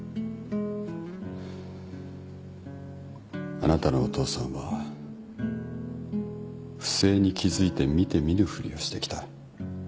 あなたのお父さんは不正に気付いて見て見ぬふりをしてきた。